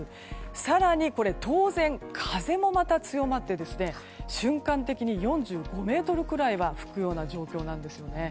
更に当然、風もまた強まって瞬間的に４５メートルぐらい吹く状況なんです。